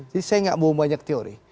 jadi saya tidak mau banyak teori